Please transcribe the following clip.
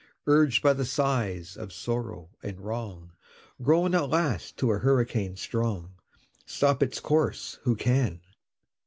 Urged by the sighs of sorrow and wrong, Grown at last to a hurricane strong, Stop its course who can!